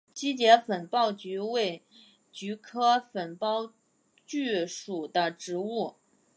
基节粉苞菊为菊科粉苞苣属的植物。